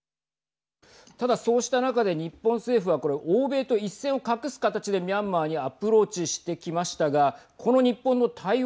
ただ、そうした中で日本政府はこれ欧米と一線を画す形でミャンマーにアプローチしてきましたがこの日本の対応